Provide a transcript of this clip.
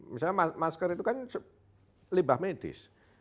misalnya masker itu kan limbah medis